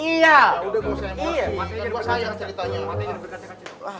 saya yang tanya